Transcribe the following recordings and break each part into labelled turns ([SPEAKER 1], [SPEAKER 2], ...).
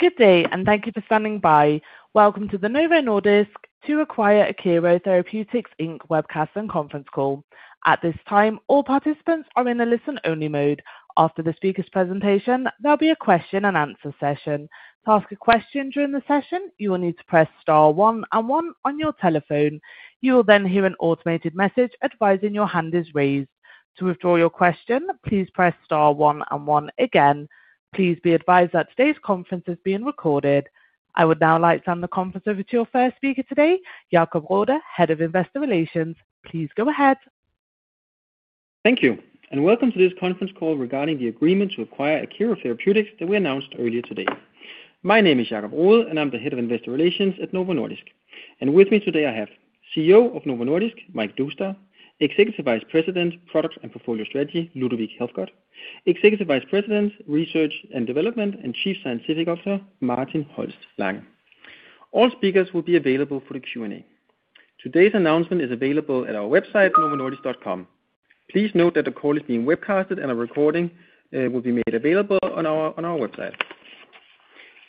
[SPEAKER 1] Good day, and thank you for standing by. Welcome to the Novo Nordisk to acquire Akero Therapeutics, Inc. webcast and conference call. At this time, all participants are in a listen-only mode. After the speaker's presentation, there'll be a question and answer session. To ask a question during the session, you will need to press star one and one on your telephone. You will then hear an automated message advising your hand is raised. To withdraw your question, please press star one and one again. Please be advised that today's conference is being recorded. I would now like to turn the conference over to our first speaker today, Jacob Rode, Head of Investor Relations. Please go ahead.
[SPEAKER 2] Thank you, and welcome to this conference call regarding the agreement to acquire Akero Therapeutics that we announced earlier today. My name is Jacob Rode, and I'm the Head of Investor Relations at Novo Nordisk. And with me today, I have CEO of Novo Nordisk, Mike Doustdar, Executive Vice President, Product and Portfolio Strategy, Ludovic Helfgott, Executive Vice President, Research and Development, and Chief Scientific Officer, Martin Holst Lange. All speakers will be available for the Q&A. Today's announcement is available at our website, novonordisk.com. Please note that the call is being webcast, and a recording will be made available on our website.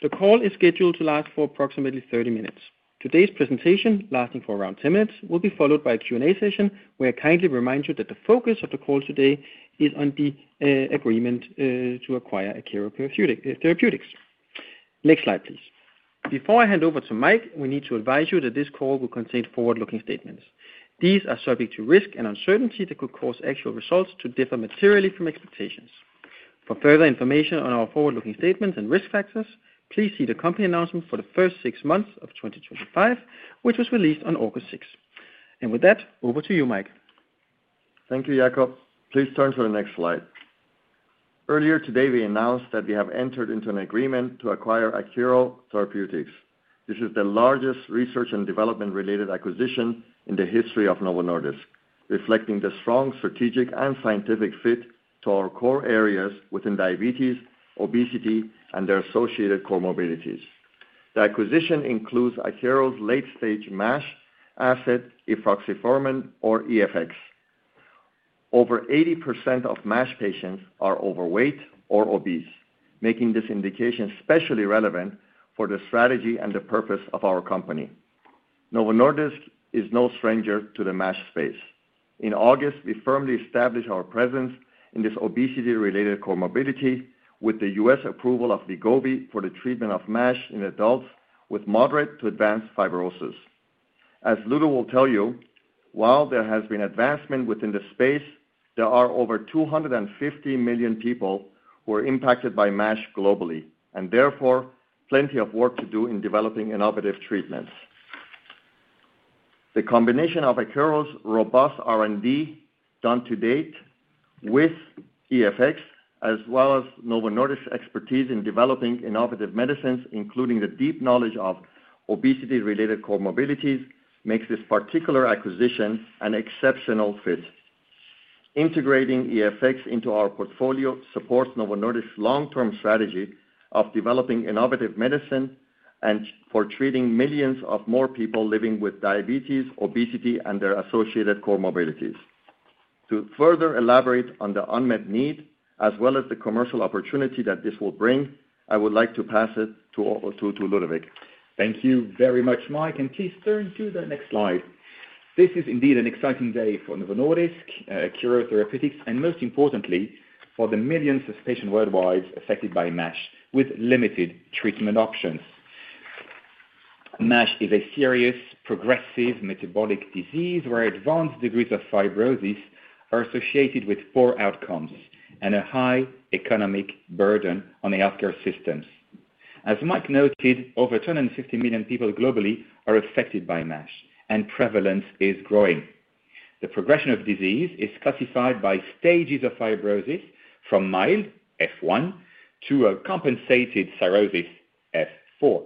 [SPEAKER 2] The call is scheduled to last for approximately 30 minutes. Today's presentation, lasting for around 10 minutes, will be followed by a Q&A session, where I kindly remind you that the focus of the call today is on the agreement to acquire Akero Therapeutics. Next slide, please. Before I hand over to Mike, we need to advise you that this call will contain forward-looking statements. These are subject to risk and uncertainty that could cause actual results to differ materially from expectations. For further information on our forward-looking statements and risk factors, please see the company announcement for the first six months of 2025, which was released on August 6. With that, over to you, Mike.
[SPEAKER 3] Thank you, Jacob. Please turn to the next slide. Earlier today, we announced that we have entered into an agreement to acquire Akero Therapeutics. This is the largest research and development-related acquisition in the history of Novo Nordisk, reflecting the strong strategic and scientific fit to our core areas within diabetes, obesity, and their associated comorbidities. The acquisition includes Akero’s late-stage MASH asset, efruxifermin, or EFX. Over 80% of MASH patients are overweight or obese, making this indication especially relevant for the strategy and the purpose of our company. Novo Nordisk is no stranger to the MASH space. In August, we firmly established our presence in this obesity-related comorbidity with the U.S. approval of Wegovy for the treatment of MASH in adults with moderate to advanced fibrosis. As Ludovic will tell you, while there has been advancement within the space, there are over 250 million people who are impacted by MASH globally, and therefore, plenty of work to do in developing innovative treatments. The combination of Akero’s robust R&D done to date with EFX, as well as Novo Nordisk’s expertise in developing innovative medicines, including the deep knowledge of obesity-related comorbidities, makes this particular acquisition an exceptional fit. Integrating EFX into our portfolio supports Novo Nordisk’s long-term strategy of developing innovative medicine and for treating millions of more people living with diabetes, obesity, and their associated comorbidities. To further elaborate on the unmet need, as well as the commercial opportunity that this will bring, I would like to pass it to Ludovic.
[SPEAKER 4] Thank you very much, Mike, and please turn to the next slide. This is indeed an exciting day for Novo Nordisk, Akero Therapeutics and most importantly, for the millions of patients worldwide affected by MASH with limited treatment options. MASH is a serious, progressive metabolic disease where advanced degrees of fibrosis are associated with poor outcomes and a high economic burden on healthcare systems. As Mike noted, over 250 million people globally are affected by MASH, and prevalence is growing. The progression of disease is classified by stages of fibrosis from mild, F1, to a compensated cirrhosis, F4.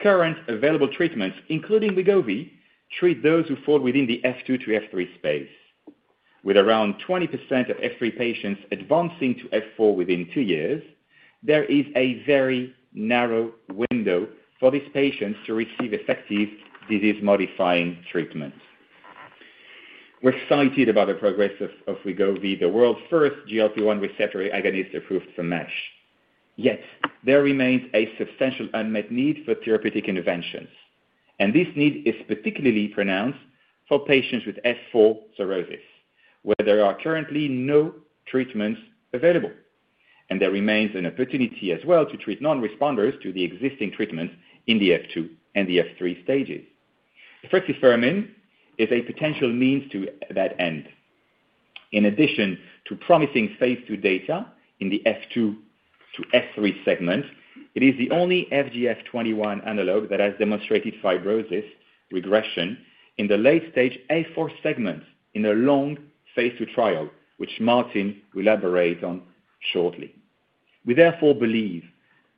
[SPEAKER 4] Current available treatments, including Wegovy, treat those who fall within the F2 to F3 space. With around 20% of F3 patients advancing to F4 within two years, there is a very narrow window for these patients to receive effective disease-modifying treatment. We're excited about the progress of Wegovy, the world's first GLP-1 receptor agonist approved for MASH. Yet, there remains a substantial unmet need for therapeutic interventions, and this need is particularly pronounced for patients with F4 cirrhosis, where there are currently no treatments available. There remains an opportunity as well to treat non-responders to the existing treatments in the F2 and the F3 stages. Efruxifermin is a potential means to that end. In addition to promising phase II data in the F2 to F3 segment, it is the only FGF21 analog that has demonstrated fibrosis regression in the late-stage F4 segment in a long phase II trial, which Martin will elaborate on shortly. We therefore believe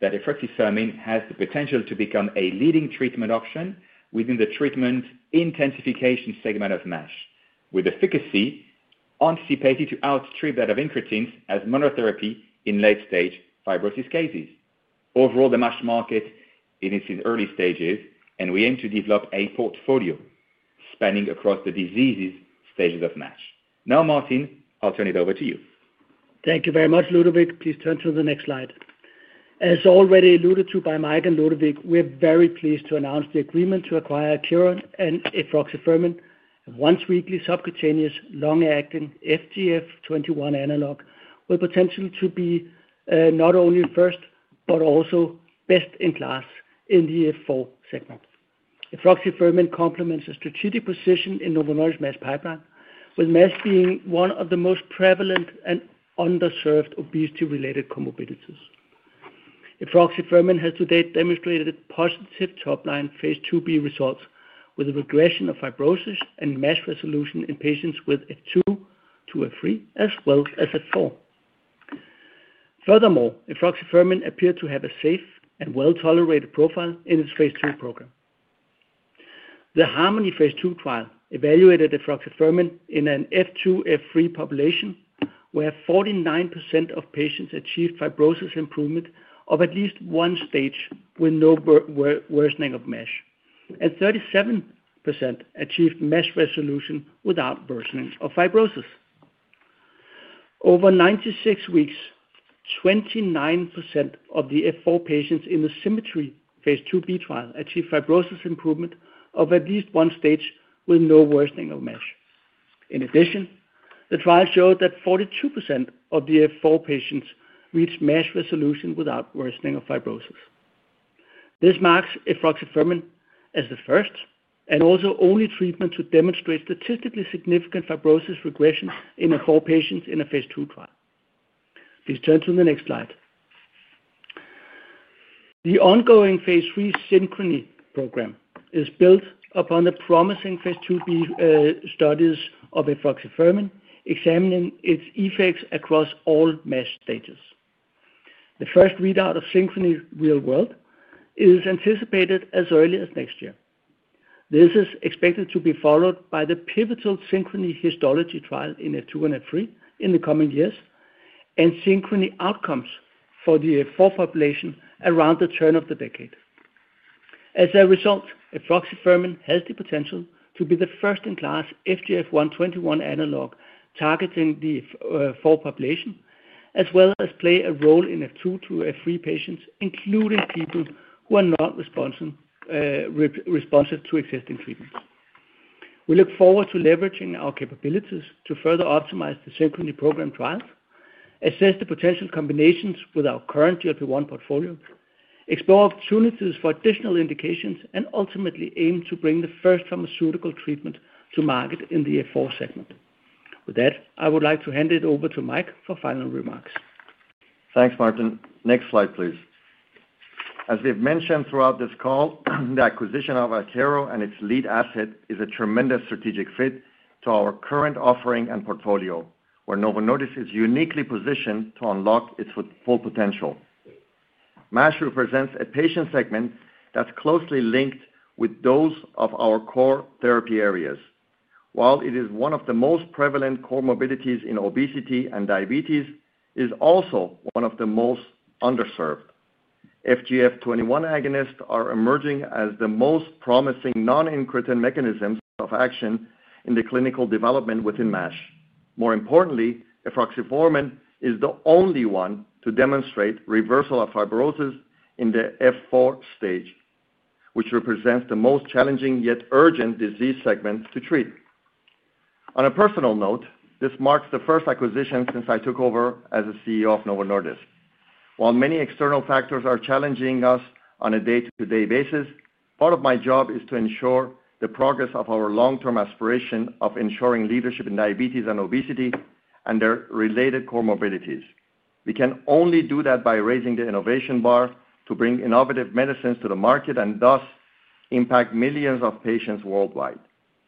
[SPEAKER 4] that efruxifermin has the potential to become a leading treatment option within the treatment intensification segment of MASH, with efficacy anticipated to outstrip that of GLP-1 receptor agonists as monotherapy in late-stage fibrosis cases. Overall, the MASH market is in its early stages, and we aim to develop a portfolio spanning across the disease's stages of MASH. Now, Martin, I'll turn it over to you.
[SPEAKER 5] Thank you very much, Ludovic. Please turn to the next slide. As already alluded to by Mike and Ludovic, we're very pleased to announce the agreement to acquire Akero and efruxifermin, a once-weekly subcutaneous long-acting FGF21 analog with potential to be not only first, but also best in class in the F4 segment. Efruxifermin complements a strategic position in the Novo Nordisk MASH pipeline, with MASH being one of the most prevalent and underserved obesity-related comorbidities. Efruxifermin has to date demonstrated positive top-line phase IIb results with a regression of fibrosis and MASH resolution in patients with F2 to F3, as well as F4. Furthermore, efruxifermin appeared to have a safe and well-tolerated profile in its phase II program. The HARMONY phase II trial evaluated efruxifermin in an F2-F3 population, where 49% of patients achieved fibrosis improvement of at least one stage with no worsening of MASH, and 37% achieved MASH resolution without worsening of fibrosis. Over 96 weeks, 29% of the F4 patients in the SYMMETRY phase IIb trial achieved fibrosis improvement of at least one stage with no worsening of MASH. In addition, the trial showed that 42% of the F4 patients reached MASH resolution without worsening of fibrosis. This marks efruxifermin as the first and also the only treatment to demonstrate statistically significant fibrosis regression in F4 patients in a phase II trial. Please turn to the next slide. The ongoing phase III SYNCHRONY program is built upon the promising phase IIb studies of efruxifermin, examining its effects across all MASH stages. The first readout of SYNCHRONY real-world is anticipated as early as next year. This is expected to be followed by the pivotal SYNCHRONY histology trial in F2 and F3 in the coming years, and SYNCHRONY outcomes for the F4 population around the turn of the decade. As a result, efruxifermin has the potential to be the first-in-class FGF21 analog targeting the F4 population, as well as play a role in F2 to F3 patients, including people who are not responsive to existing treatments. We look forward to leveraging our capabilities to further optimize the SYNCHRONY program trials, assess the potential combinations with our current GLP-1 portfolio, explore opportunities for additional indications, and ultimately aim to bring the first pharmaceutical treatment to market in the F4 segment. With that, I would like to hand it over to Mike for final remarks.
[SPEAKER 3] Thanks, Martin. Next slide, please. As we've mentioned throughout this call, the acquisition of Akero and its lead asset is a tremendous strategic fit to our current offering and portfolio, where Novo Nordisk is uniquely positioned to unlock its full potential. MASH represents a patient segment that's closely linked with those of our core therapy areas. While it is one of the most prevalent comorbidities in obesity and diabetes, it is also one of the most underserved. FGF21 analogs are emerging as the most promising non-GLP-1 mechanisms of action in the clinical development within MASH. More importantly, efruxifermin is the only one to demonstrate reversal of fibrosis in the F4 stage, which represents the most challenging yet urgent disease segment to treat. On a personal note, this marks the first acquisition since I took over as CEO of Novo Nordisk. While many external factors are challenging us on a day-to-day basis, part of my job is to ensure the progress of our long-term aspiration of ensuring leadership in diabetes and obesity and their related comorbidities. We can only do that by raising the innovation bar to bring innovative medicines to the market and thus impact millions of patients worldwide.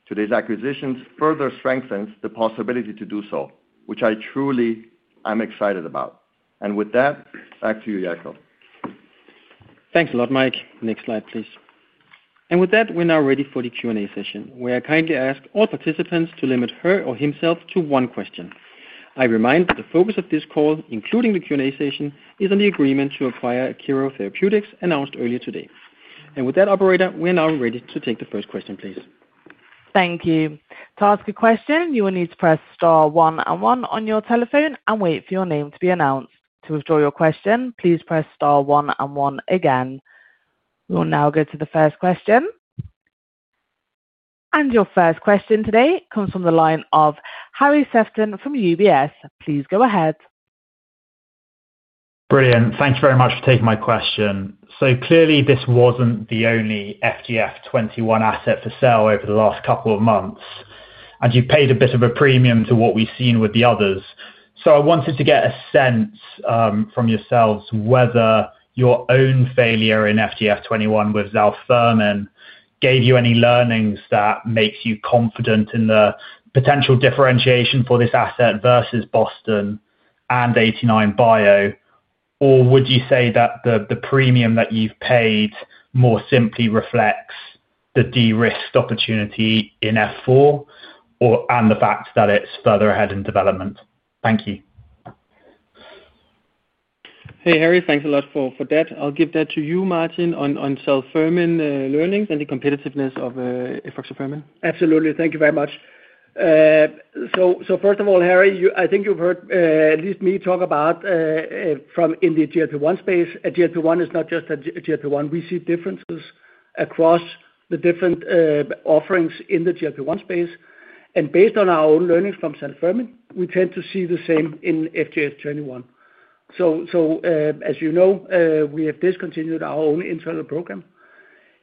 [SPEAKER 3] Today's acquisition further strengthens the possibility to do so, which I truly am excited about. With that, back to you, Jacob.
[SPEAKER 2] Thanks a lot, Mike. Next slide, please. With that, we're now ready for the Q&A session, where I kindly ask all participants to limit herself or himself to one question. I remind that the focus of this call, including the Q&A session, is on the agreement to acquire Akero Therapeutics announced earlier today. Operator, we're now ready to take the first question, please.
[SPEAKER 1] Thank you. To ask a question, you will need to press star one and one on your telephone and wait for your name to be announced. To withdraw your question, please press star one and one again. We'll now go to the first question. Your first question today comes from the line of Harry Sephton from UBS. Please go ahead.
[SPEAKER 6] Brilliant. Thanks very much for taking my question. Clearly, this wasn't the only FGF21 asset for sale over the last couple of months, and you paid a bit of a premium to what we've seen with the others. I wanted to get a sense from yourselves whether your own failure in FGF21 with Zalfermin gave you any learnings that make you confident in the potential differentiation for this asset versus Boston and 89Bio, or would you say that the premium that you've paid more simply reflects the de-risked opportunity in F4 and the fact that it's further ahead in development? Thank you.
[SPEAKER 2] Hey, Harry, thanks a lot for that. I'll give that to you, Martin, on Zalfermin learnings and the competitiveness of efruxifermin.
[SPEAKER 5] Absolutely. Thank you very much. First of all, Harry, I think you've heard at least me talk about from in the GLP-1 space. A GLP-1 is not just a GLP-1. We see differences across the different offerings in the GLP-1 space. Based on our own learnings from Zalfermin, we tend to see the same in FGF21. As you know, we have discontinued our own internal program,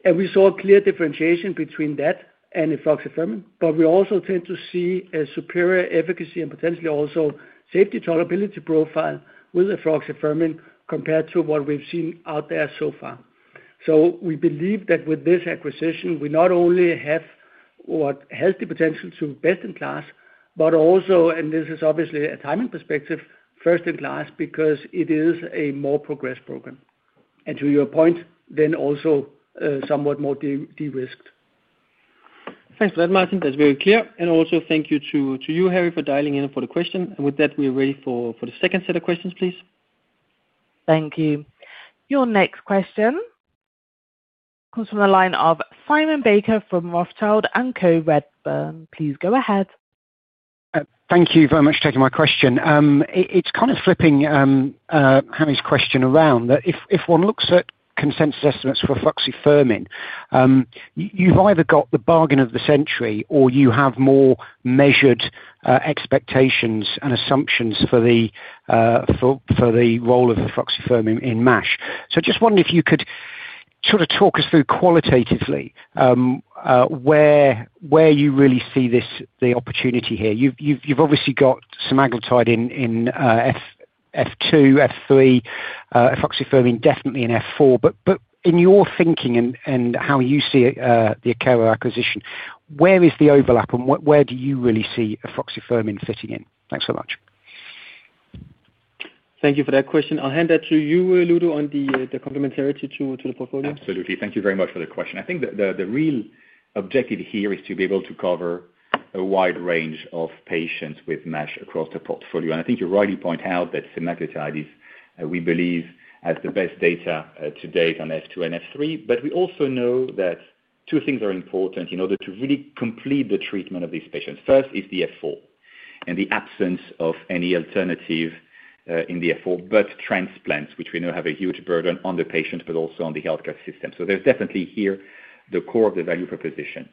[SPEAKER 5] and we saw a clear differentiation between that and efruxifermin. We also tend to see a superior efficacy and potentially also safety tolerability profile with efruxifermin compared to what we've seen out there so far. We believe that with this acquisition, we not only have what has the potential to be best in class, but also, and this is obviously a timing perspective, first in class because it is a more progressed program. To your point, then also somewhat more de-risked.
[SPEAKER 2] Thanks for that, Martin. That's very clear. Thank you to you, Harry, for dialing in for the question. With that, we are ready for the second set of questions, please.
[SPEAKER 1] Thank you. Your next question comes from the line of Simon Baker from Rothschild & Co. Redburn. Please go ahead.
[SPEAKER 7] Thank you very much for taking my question. It's kind of flipping Harry's question around that if one looks at consensus estimates for efruxifermin, you've either got the bargain of the century or you have more measured expectations and assumptions for the role of efruxifermin in MASH. I just wonder if you could sort of talk us through qualitatively where you really see the opportunity here. You've obviously got some agile tide in F2, F3, efruxifermin definitely in F4. In your thinking and how you see the CagriSema acquisition, where is the overlap and where do you really see efruxifermin fitting in? Thanks so much.
[SPEAKER 2] Thank you for that question. I'll hand that to you, Ludo, on the complementarity to the portfolio.
[SPEAKER 4] Absolutely. Thank you very much for the question. I think that the real objective here is to be able to cover a wide range of patients with MASH across the portfolio. I think you rightly point out that semaglutide is, we believe, has the best data to date on F2 and F3. We also know that two things are important in order to really complete the treatment of these patients. First is the F4 and the absence of any alternative in the F4, but transplants, which we know have a huge burden on the patient, but also on the healthcare system. There is definitely here the core of the value proposition.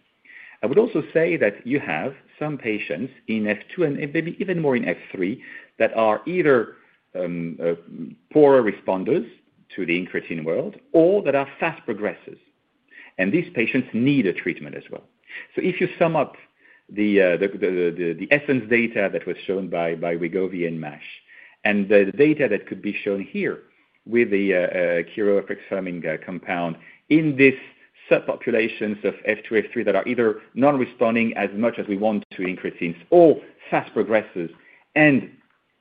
[SPEAKER 4] I would also say that you have some patients in F2 and maybe even more in F3 that are either poor responders to the incretin world or that are fast progressors. These patients need a treatment as well. If you sum up the ESSENCE data that was shown by Wegovy in MASH and the data that could be shown here with the efruxifermin compound in these subpopulations of F2, F3 that are either non-responding as much as we want to incretin or fast progressors and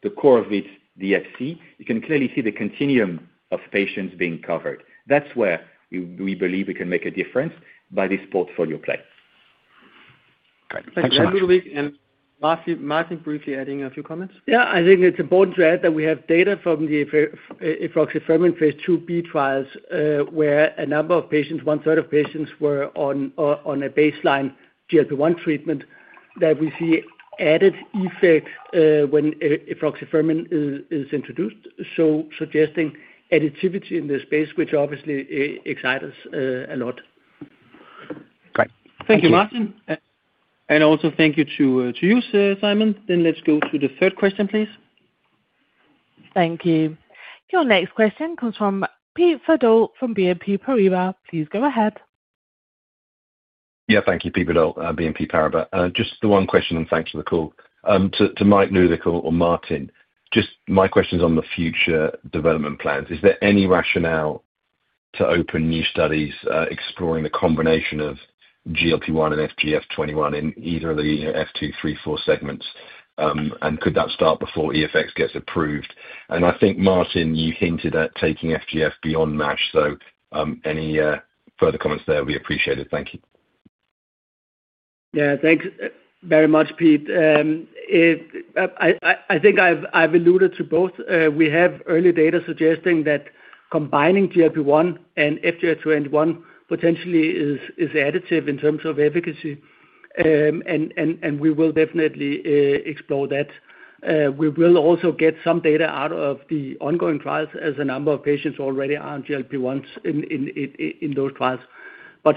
[SPEAKER 4] the core of it, the F4, you can clearly see the continuum of patients being covered. That is where we believe we can make a difference by this portfolio play.
[SPEAKER 2] Thanks, Ludovic. Martin, briefly adding a few comments.
[SPEAKER 5] Yeah, I think it's important to add that we have data from the efruxifermin phase IIb trials where a number of patients, one third of patients, were on a baseline GLP-1 treatment that we see added effect when efruxifermin is introduced. This suggests additivity in this space, which obviously excites us a lot.
[SPEAKER 2] Great. Thank you, Martin. Thank you to you, Simon. Let's go to the third question, please.
[SPEAKER 1] Thank you. Your next question comes from Peter Verdult from BNP Paribas. Please go ahead.
[SPEAKER 8] Yeah, thank you, Peter Verdult, BNP Paribas. Just the one question, and thank you, Nicole. To Mike Doustdar or Martin, just my question is on the future development plans. Is there any rationale to open new studies exploring the combination of GLP-1 and FGF21 in either the F2, 3, 4 segments? Could that start before EFX gets approved? I think, Martin, you hinted at taking FGF beyond MASH. Any further comments there would be appreciated. Thank you.
[SPEAKER 5] Yeah, thanks very much, Pete. I think I've alluded to both. We have early data suggesting that combining GLP-1 and FGF21 potentially is additive in terms of efficacy. We will definitely explore that. We will also get some data out of the ongoing trials as a number of patients already are on GLP-1 in those trials.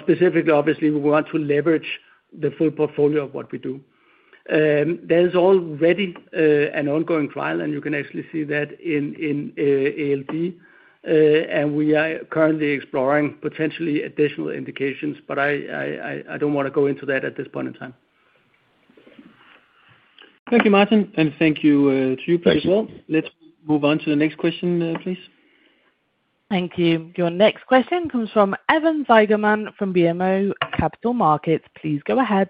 [SPEAKER 5] Specifically, obviously, we want to leverage the full portfolio of what we do. There's already an ongoing trial, and you can actually see that in ALD. We are currently exploring potentially additional indications, but I don't want to go into that at this point in time.
[SPEAKER 4] Thank you, Martin. Thank you to you both as well. Let's move on to the next question, please.
[SPEAKER 1] Thank you. Your next question comes from Evan Seigerman from BMO Capital Markets. Please go ahead.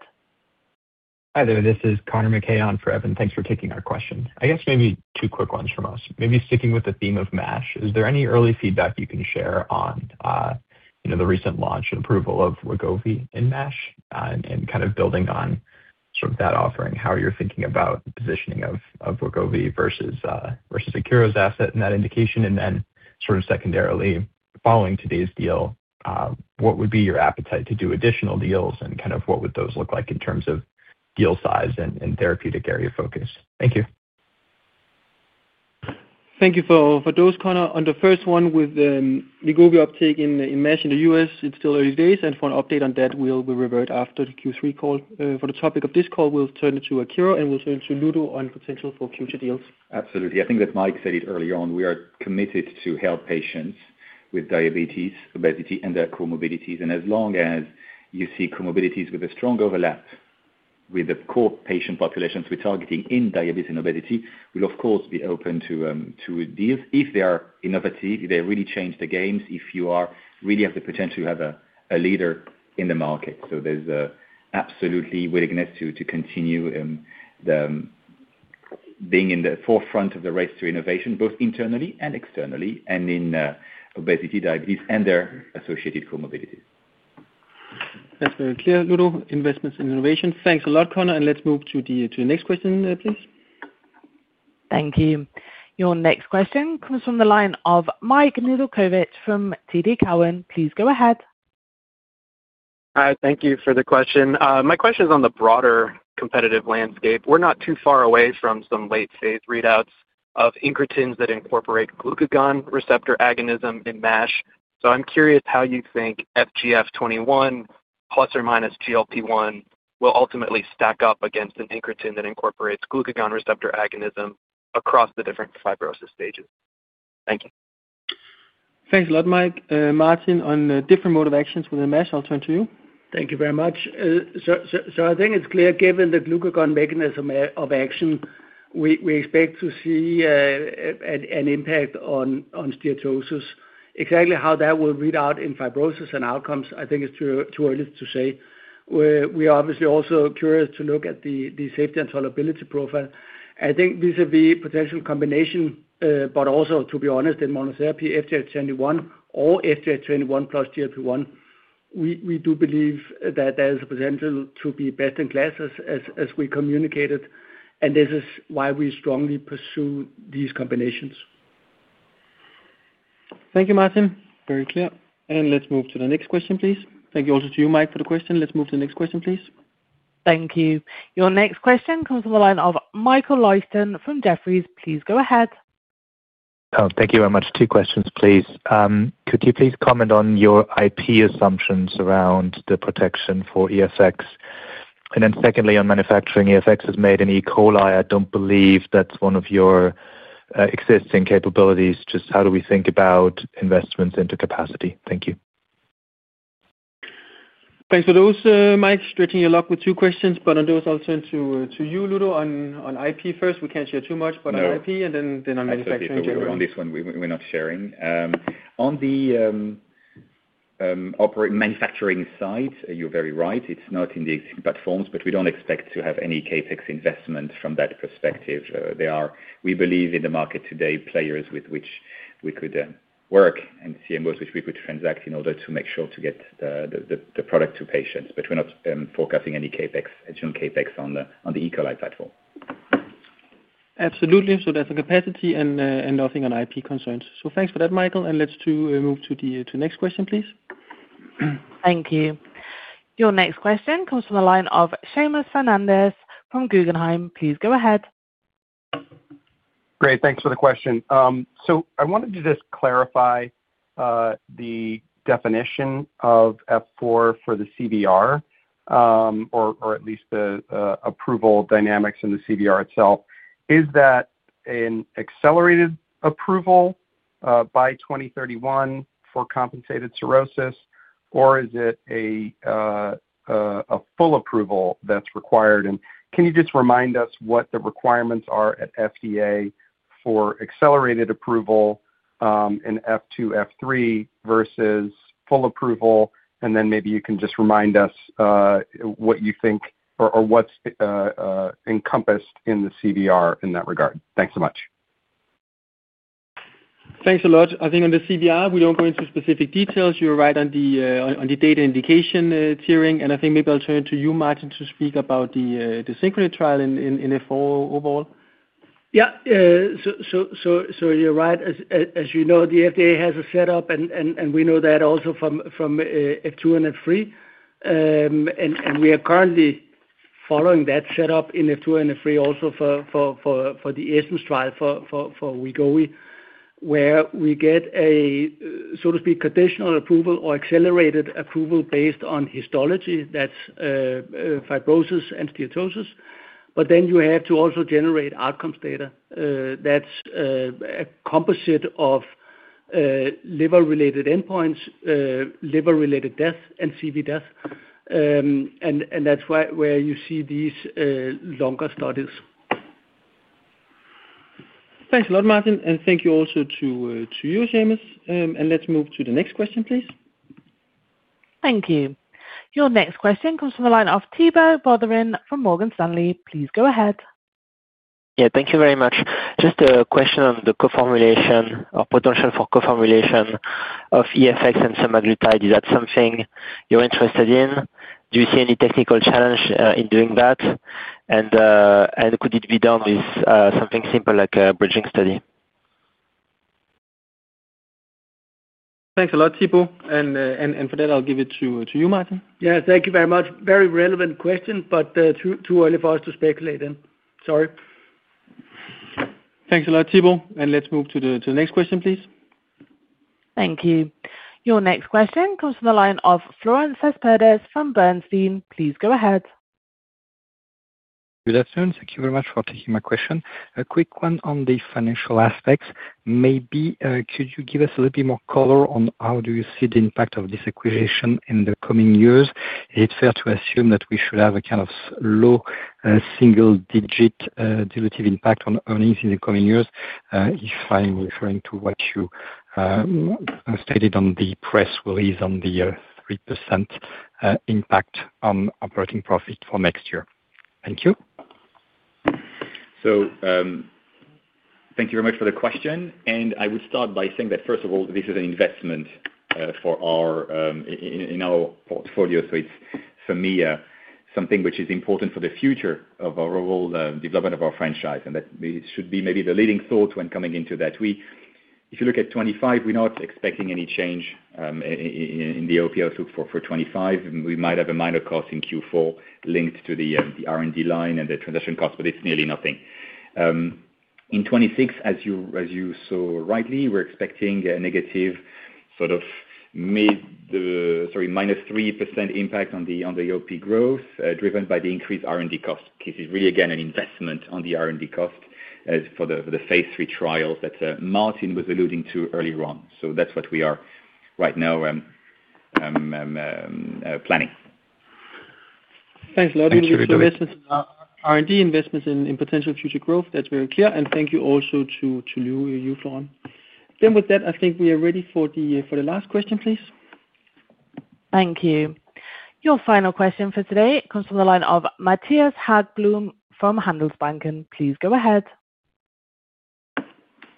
[SPEAKER 9] Hi there. This is Conor MacKay on for Evan. Thanks for taking our question. I guess maybe two quick ones from us. Maybe sticking with the theme of MASH, is there any early feedback you can share on the recent launch and approval of Wegovy in MASH and kind of building on sort of that offering, how you're thinking about the positioning of Wegovy versus the Akero asset in that indication? Then sort of secondarily following today's deal, what would be your appetite to do additional deals and kind of what would those look like in terms of deal size and therapeutic area focus? Thank you.
[SPEAKER 5] Thank you for those, Conor. On the first one with Wegovy uptake in MASH in the U.S., it's still early days. For an update on that, we'll revert after the Q3 call. For the topic of this call, we'll turn it to CagriSema and we'll turn it to Ludo on potential for future deals.
[SPEAKER 4] Absolutely. I think that Mike said it earlier on. We are committed to help patients with diabetes, obesity, and their comorbidities. As long as you see comorbidities with a strong overlap with the core patient populations we're targeting in diabetes and obesity, we'll, of course, be open to deals if they are innovative, if they really change the games, if you really have the potential to have a leader in the market. There is absolutely willingness to continue being in the forefront of the race to innovation, both internally and externally, in obesity, diabetes, and their associated comorbidities.
[SPEAKER 2] That's very clear, Ludovic, investments in innovation. Thanks a lot, Conor. Let's move to the next question, please.
[SPEAKER 1] Thank you. Your next question comes from the line of Michael Nedelcovych from TD Cowen. Please go ahead.
[SPEAKER 10] Hi. Thank you for the question. My question is on the broader competitive landscape. We're not too far away from some late-stage readouts of amycretin that incorporate glucagon receptor agonism in MASH. I'm curious how you think FGF21, plus or minus GLP-1, will ultimately stack up against an amycretin that incorporates glucagon receptor agonism across the different fibrosis stages. Thank you.
[SPEAKER 2] Thanks a lot, Mike. Martin, on different mode of actions within MASH, I'll turn to you.
[SPEAKER 5] Thank you very much. I think it's clear, given the glucagon mechanism of action, we expect to see an impact on steatosis. Exactly how that will read out in fibrosis and outcomes, I think it's too early to say. We are obviously also curious to look at the safety and tolerability profile. I think vis-a-vis potential combination, but also, to be honest, in monotherapy FGF21 or FGF21 plus GLP-1, we do believe that there is a potential to be best in class, as we communicated. This is why we strongly pursue these combinations.
[SPEAKER 2] Thank you, Martin. Very clear. Let's move to the next question, please. Thank you also to you, Mike, for the question. Let's move to the next question, please.
[SPEAKER 1] Thank you. Your next question comes from the line of Michael Lyston from Jefferies. Please go ahead.
[SPEAKER 11] Oh, thank you very much. Two questions, please. Could you please comment on your IP assumptions around the protection for EFX? And then secondly, on manufacturing, EFX is made in E. coli. I don't believe that's one of your existing capabilities. Just how do we think about investments into capacity? Thank you.
[SPEAKER 2] Thanks for those, Mike. Stretching your luck with two questions, but on those, I'll turn to you, Ludo, on IP first. We can't share too much, but on IP and then on manufacturing generally.
[SPEAKER 4] On this one, we're not sharing. On the operating manufacturing side, you're very right. It's not in the existing platforms, but we don't expect to have any CapEx investments from that perspective. We believe in the market today, players with which we could work and CMOs with which we could transact in order to make sure to get the product to patients. We're not forecasting any CapEx, additional CapEx on the E. coli platform.
[SPEAKER 2] Absolutely. That's on capacity and nothing on IP concerns. Thanks for that, Michael. Let's move to the next question, please.
[SPEAKER 1] Thank you. Your next question comes from the line of Seamus Fernandez from Guggenheim. Please go ahead.
[SPEAKER 12] Great. Thanks for the question. I wanted to just clarify the definition of F4 for the CVR, or at least the approval dynamics in the CVR itself. Is that an accelerated approval by 2031 for compensated cirrhosis, or is it a full approval that's required? Can you just remind us what the requirements are at the FDA for accelerated approval in F2, F3 versus full approval? Maybe you can just remind us what you think or what's encompassed in the CVR in that regard. Thanks so much.
[SPEAKER 2] Thanks a lot. I think on the CVR, we don't go into specific details. You're right on the data indication tiering. I think maybe I'll turn it to you, Martin, to speak about the SYNCHRONY trial in F4 overall.
[SPEAKER 5] Yeah. You're right. As you know, the FDA has a setup, and we know that also from F2 and F3. We are currently following that setup in F2 and F3 also for the ESM trial for Wegovy, where we get a, so to speak, conditional approval or accelerated approval based on histology. That's fibrosis and steatosis. You have to also generate outcomes data. That's a composite of liver-related endpoints, liver-related death, and CV death. That's where you see these longer studies.
[SPEAKER 2] Thanks a lot, Martin. Thank you also to you, Seamus. Let's move to the next question, please.
[SPEAKER 1] Thank you. Your next question comes from the line of Thibault Boutherin from Morgan Stanley. Please go ahead.
[SPEAKER 13] Thank you very much. Just a question on the co-formulation or potential for co-formulation of EFX and semaglutide. Is that something you're interested in? Do you see any technical challenge in doing that? Could it be done with something simple like a bridging study?
[SPEAKER 2] Thanks a lot, Thibault. For that, I'll give it to you, Martin.
[SPEAKER 5] Thank you very much. Very relevant question, but too early for us to speculate then. Sorry.
[SPEAKER 2] Thanks a lot, Thibault. Let's move to the next question, please.
[SPEAKER 1] Thank you. Your next question comes from the line of Florent Cespedes from Bernstein. Please go ahead.
[SPEAKER 14] Good afternoon. Thank you very much for taking my question. A quick one on the financial aspects. Maybe could you give us a little bit more color on how you see the impact of this acquisition in the coming years? Is it fair to assume that we should have a kind of low single-digit dilutive impact on earnings in the coming years if I'm referring to what you stated on the press, where it is on the 3% impact on operating profit for next year? Thank you.
[SPEAKER 4] Thank you very much for the question. I would start by saying that, first of all, this is an investment in our portfolio. For me, it's something which is important for the future of our overall development of our franchise. That should be maybe the leading thought when coming into that. If you look at 2025, we're not expecting any change in the OP outlook for 2025. We might have a minor cost in Q4 linked to the R&D line and the transition costs, but it's nearly nothing. In 2026, as you saw rightly, we're expecting a negative, -3% impact on the OP growth driven by the increased R&D cost. This is really, again, an investment on the R&D cost for the phase III trial that Martin was alluding to earlier on. That's what we are right now planning.
[SPEAKER 2] Thanks, Ludo. You've got our R&D investments in potential future growth. That's very clear. Thank you also to you, Florent. I think we are ready for the last question, please.
[SPEAKER 1] Thank you. Your final question for today comes from the line of Mattias Häggblom from Handelsbanken. Please go ahead.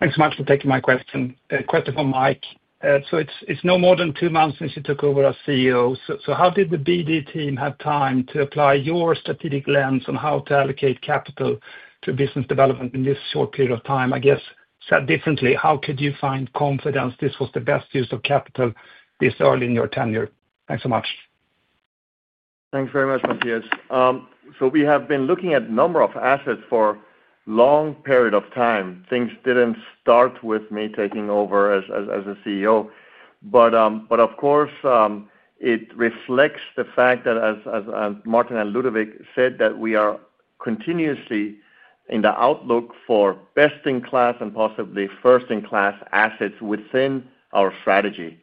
[SPEAKER 15] Thanks, Martin. Thank you for taking my question. A question for Mike. It's no more than two months since you took over as CEO. How did the BD team have time to apply your strategic lens on how to allocate capital to business development in this short period of time? I guess, said differently, how could you find confidence this was the best use of capital this early in your tenure? Thanks so much.
[SPEAKER 3] Thanks very much, Mattias. We have been looking at a number of assets for a long period of time. Things didn't start with me taking over as CEO. It reflects the fact that, as Martin and Ludovic said, we are continuously in the outlook for best-in-class and possibly first-in-class assets within our strategy.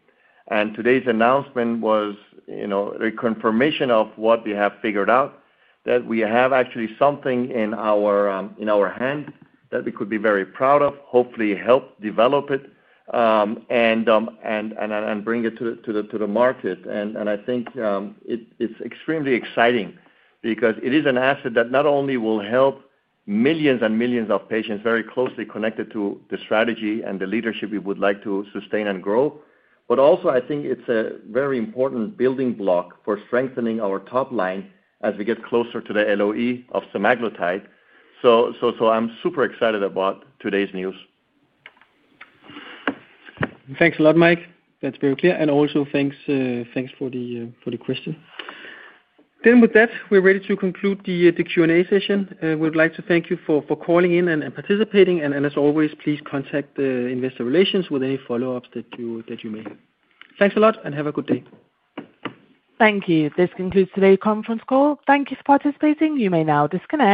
[SPEAKER 3] Today's announcement was a confirmation of what we have figured out, that we have actually something in our hand that we could be very proud of, hopefully help develop it, and bring it to the market. I think it's extremely exciting because it is an asset that not only will help millions and millions of patients very closely connected to the strategy and the leadership we would like to sustain and grow, but also, I think it's a very important building block for strengthening our top line as we get closer to the LOE of semaglutide. I'm super excited about today's news.
[SPEAKER 2] Thanks a lot, Mike. That's very clear. Also, thanks for the question. With that, we're ready to conclude the Q&A session. We would like to thank you for calling in and participating. As always, please contact Investor Relations with any follow-ups that you may have. Thanks a lot and have a good day.
[SPEAKER 1] Thank you. This concludes today's conference call. Thank you for participating. You may now disconnect.